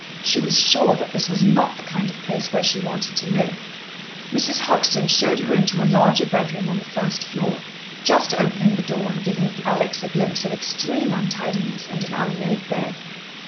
She was sure that this was not the kind of place where she wanted to live. Mrs. Hoxton showed her into a larger bedroom on the first floor, just opening the door and giving Alex a glimpse of extreme untidiness and an unmade bed.